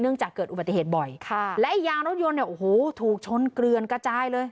จากเกิดอุบัติเหตุบ่อยค่ะและยางรถยนต์เนี่ยโอ้โหถูกชนเกลือนกระจายเลย